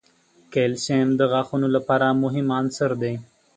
کلسیم د غاښونو لپاره مهم عنصر دی.